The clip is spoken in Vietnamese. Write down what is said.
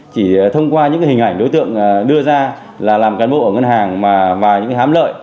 chỉ thông qua những hình ảnh đối tượng đưa ra là làm cán bộ ở ngân hàng mà những hám lợi